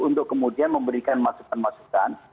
untuk kemudian memberikan masukan masukan